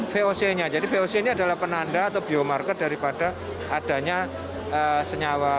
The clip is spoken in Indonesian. voc nya jadi voc ini adalah penanda atau biomarket daripada adanya senyawa